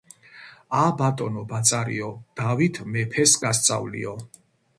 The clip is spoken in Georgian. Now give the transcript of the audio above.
ა ბატონო ბაწარიო, დავით მეფეს გასწავლიო.